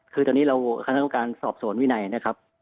คือตอนนี้เราคณะกรรมการสอบสวนวินัยนะครับ